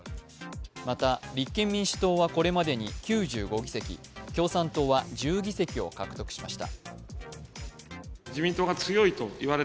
また、立憲民主党はこれまでに９５議席、共産党は１０議席を獲得しました。